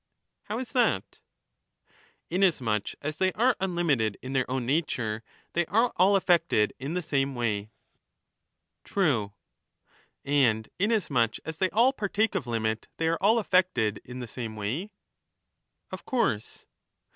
"^^^^ How is that ? and unlike. Inasmuch as they are unlimited in their own nature, they are all affected in the same way. True. And inasmuch as they all partake of limit, they are all affected in the same way. Of course.